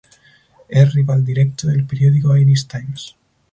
Es rival directo del periódico "Irish Times".